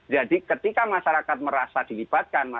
jadi ketika masyarakat merasa dilibatkan